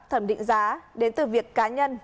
thẩm định giá đến từ việc cá nhân